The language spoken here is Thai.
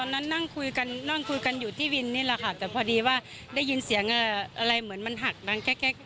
นั่งคุยกันนั่งคุยกันอยู่ที่วินนี่แหละค่ะแต่พอดีว่าได้ยินเสียงอะไรเหมือนมันหักดังแก๊ก